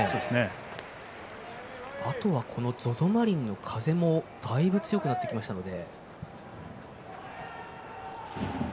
ＺＯＺＯマリンの風もだいぶ強くなってきましたので。